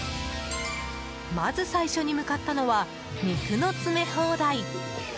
まず最初に向かったのは肉の詰め放題。